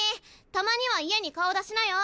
たまには家に顔出しなよ。